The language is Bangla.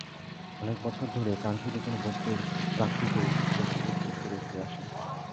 অনেক বছর ধরে কাঙ্ক্ষিত কোনো বস্তুর প্রাপ্তিতেই চোখে এই তৃপ্তির অশ্রু আসে।